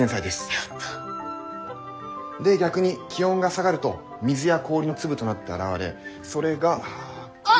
やった！で逆に気温が下がると水や氷の粒となって現れそれが雲。